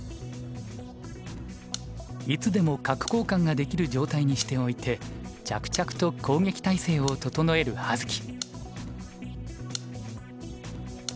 いつでも角交換ができる状態にしておいて着々と攻撃態勢を整える葉月。